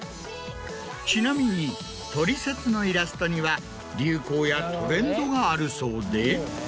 ちなみに取説のイラストには流行やトレンドがあるそうで。